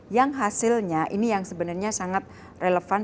yang hasilnya ini yang sebenarnya sangat relevan